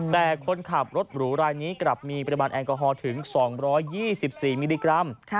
แต่คนขับรถหรูรายนี้กลับมีปริมาณแอลกอฮอลถึง๒๒๔มิลลิกรัม